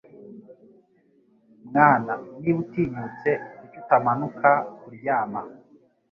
Mwana niba utinyutse kuki utamanuka kuryama